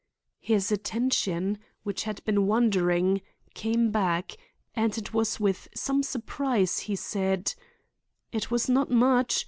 His attention, which had been wandering, came back, and it was with some surprise he said: "It was not much.